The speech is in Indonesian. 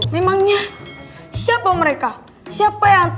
memangnya siapa mereka siapa yang